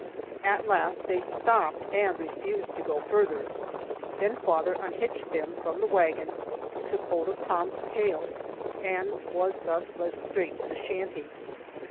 At last they stopped and refused to go farther. Then father unhitched them from the wagon, took hold of Tom's tail, and was thus led straight to the shanty.